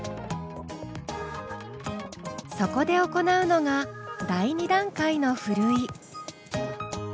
そこで行うのが第２段階のふるい。